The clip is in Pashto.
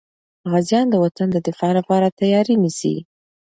غازیان د وطن د دفاع لپاره تیاري نیسي.